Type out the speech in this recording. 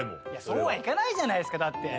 そうはいかないじゃないですかだって。